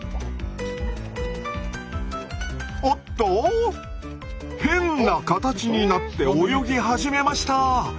おっと⁉変な形になって泳ぎ始めました！